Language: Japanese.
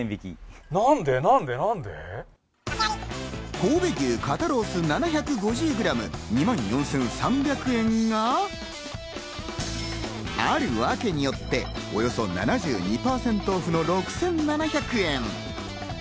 神戸牛肩ロース７５０ｇ２万４３００円があるワケによって、およそ７２％オフの６７００円。